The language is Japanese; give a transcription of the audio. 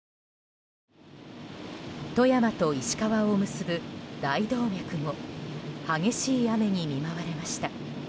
富山と石川を結ぶ大動脈も激しい雨に見舞われました。